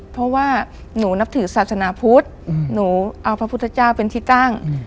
เพราะว่าหนูนับถือศาสนาพุทธหนูเอาพระพุทธเจ้าเป็นที่ตั้ง